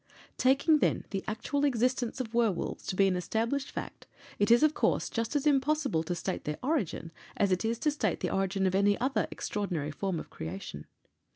Taking, then, the actual existence of werwolves to be an established fact, it is, of course, just as impossible to state their origin as it is to state the origin of any other extraordinary form of creation.